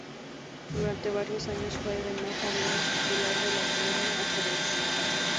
Durante varios años fue además titular de la columna "Ajedrez.